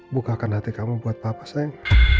bukakan hati kamu buat papa sayang